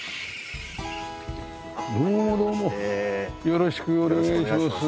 よろしくお願いします。